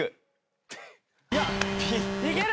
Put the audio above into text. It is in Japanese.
いける！